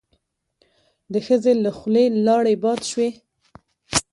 د ښځې له خولې لاړې باد شوې.